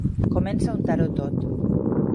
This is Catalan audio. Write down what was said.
Comença a untar-ho tot.